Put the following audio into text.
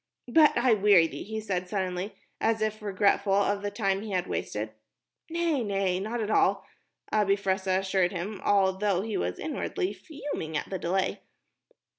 "But I weary thee," he said, suddenly, as if regretful of the time he had wasted. "Nay, nay, not at all," Abi Fressah assured him, although he was inwardly fuming at the delay.